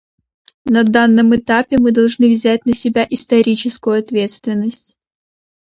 На данном этапе мы должны взять на себя историческую ответственность.